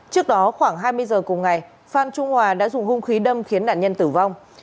trước đó khoảng hai mươi giờ cùng ngày phan trung hòa đã dùng hung khí đâm khiến nạn nhân tử vong